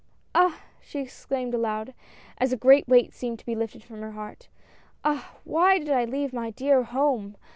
" Ah !" she exclaimed aloud, as a great weight seemed to be lifted from her heart — "Ah, why did I leave my dear home